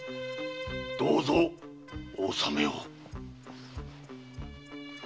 どうぞお納めを。